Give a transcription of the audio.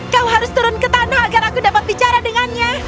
kau harus turun ke tanah agar aku dapat bicara dengannya